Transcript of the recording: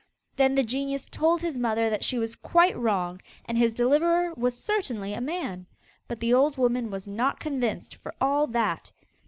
Then the genius told his mother that she was quite wrong, and his deliverer was certainly a man. But the old woman was not convinced for all that.